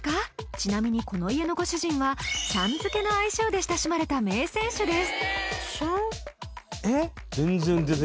ちなみにこの家のご主人は「ちゃん」づけの愛称で親しまれた名選手です